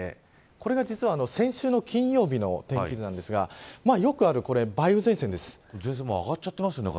これが実は先週の金曜日の天気図なんですがよくある梅雨前線です。